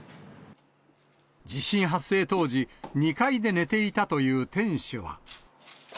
地震発生当時、２階で寝ていたという店主は。